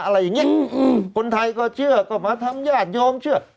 อะไรอย่างนี้คนไทยก็เชื่อก็มาทำญาติโยมเชื่อ